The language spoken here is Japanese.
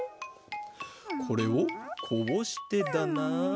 これをこうしてだな。